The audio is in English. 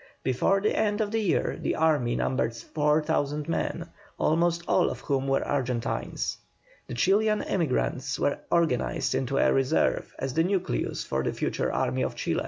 Before the end of the year the army numbered 4,000 men, almost all of whom were Argentines. The Chilian emigrants were organized into a reserve as the nucleus for the future army of Chile.